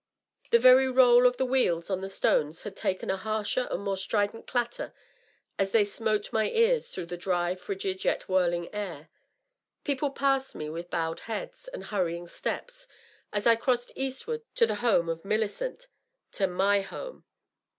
The very roll of the wheels on the stones had taken a harsher and more strident clatter as they smote my ears through the dry, frigid yet whirling air. People passed me with bowed heads and hurrying steps, as I crossed eastward to the home of Millicent — to my home.